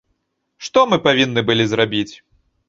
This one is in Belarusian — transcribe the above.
Што мы павінны былі зрабіць?